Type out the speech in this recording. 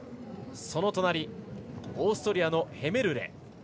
オーストリアのヘメルレ。